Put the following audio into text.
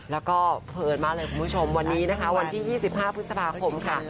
แล้วก็เพลินมากเลยคุณผู้ชมวันนี้นะคะวันที่๒๕พฤษภาคมค่ะ